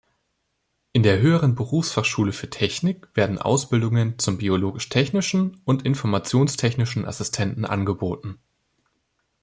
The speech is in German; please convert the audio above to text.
In der „Höheren Berufsfachschule für Technik“ werden Ausbildungen zum Biologisch-Technischen und Informationstechnischen Assistenten angeboten.